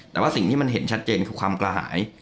แต่ว่าสิ่งที่มันเห็นชัดเจนคือความกระหาย